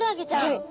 はい。